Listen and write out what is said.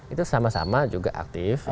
itu sama sama juga aktif